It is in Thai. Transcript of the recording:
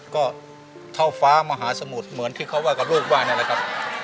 ก็เท่าฟ้ามหาสมุทรเหมือนที่เขาว่ากับลูกว่านั่นแหละครับ